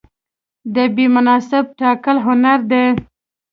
د بیې مناسب ټاکل هنر دی.